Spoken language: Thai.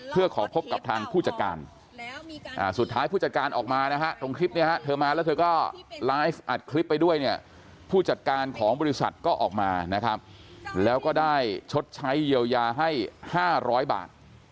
เพื่อขอพบกับทางผู้จัดการสุดท้ายผู้จัดการออกมานะฮะตรงคลิปนี้ฮะเธอมาแล้วเธอก็ไลฟ์อัดคลิปไปด้วยเนี่ยผู้จัดการของบริษัทก็ออกมานะครับแล้วก็ได้ชดใช้เยียวยาให้๕๐๐บาท